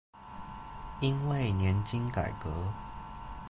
因為年金改革